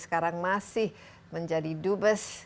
sekarang masih menjadi dubes